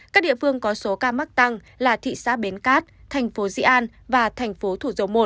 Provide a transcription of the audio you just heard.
các địa phương có số ca mắc tăng là thị xã bến cát thành phố dị an và thành phố thủ dầu một